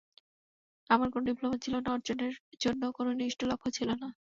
আমার কোনো ডিপ্লোমা ছিল না, অর্জনের জন্য কোনো নির্দিষ্ট লক্ষ্যও ছিল না।